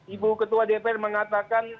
ibu ketua dpr mengatakan